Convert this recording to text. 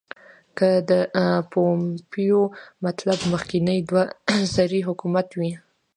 که د پومپیو مطلب مخکنی دوه سری حکومت وي.